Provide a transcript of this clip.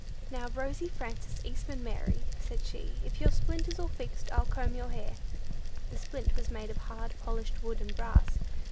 "Now Rosy Frances Eastman Mary," said she, "if your splint is all fixed, I'll comb your hair." The splint was made of hard, polished wood and brass.